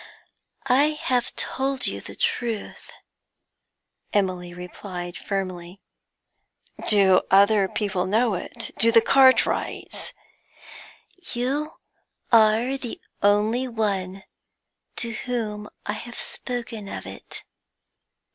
'I have told you the truth,' Emily replied firmly. 'Do other people know it? Do the Cartwrights?' 'You are the only one to whom I have spoken of it.'